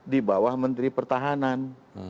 di bawah menteri pertahanan